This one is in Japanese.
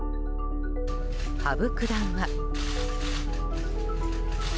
羽生九段は。